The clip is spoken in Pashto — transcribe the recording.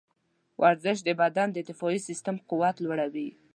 ورزش د بدن د دفاعي سیستم قوت لوړوي.